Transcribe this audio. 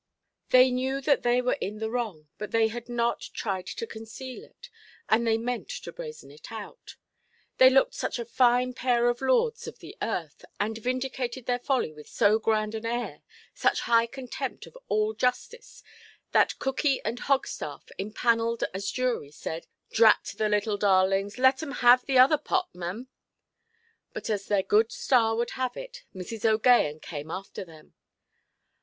They knew that they were in the wrong, but they had not tried to conceal it, and they meant to brazen it out. They looked such a fine pair of lords of the earth, and vindicated their felony with so grand an air; such high contempt of all justice, that Cookey and Hogstaff, empannelled as jury, said, "Drat the little darlings, let 'em have the other pot, mem"! But as their good star would have it, Mrs. OʼGaghan came after them.